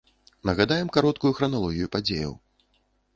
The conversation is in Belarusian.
Нагадаем кароткую храналогію падзеяў.